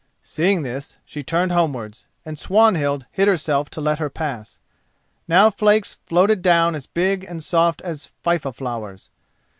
Seeing this she turned homewards, and Swanhild hid herself to let her pass. Now flakes floated down as big and soft as fifa flowers.